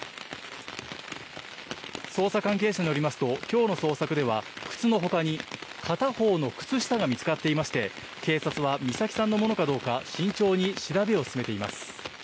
捜査関係者によりますと、きょうの捜索では、靴のほかに片方の靴下が見つかっていまして、警察は美咲さんのものかどうか、慎重に調べを進めています。